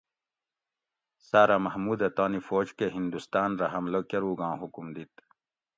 ساۤرہ محمودہ تانی فوج کہ ھندوستاۤن رہ حملہ کۤروگاں حکم دِت